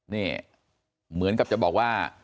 นี่เหมือนกับจะบอกว่า